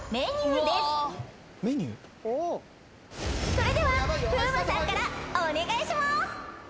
それでは風磨さんからお願いします。